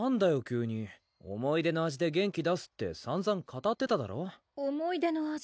急に思い出の味で元気出すってさんざん語ってただろ思い出の味？